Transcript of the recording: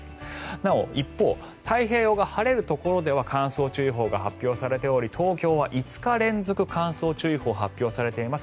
なお、一方太平洋側、晴れるところでは乾燥注意報が発表されており東京は５日連続乾燥注意報が発表されています。